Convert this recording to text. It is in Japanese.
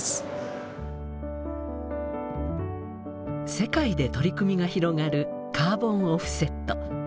世界で取り組みが広がるカーボンオフセット。